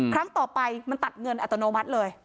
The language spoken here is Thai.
ครั้งต่อไปมันตัดเงินอัตโนมัติเลย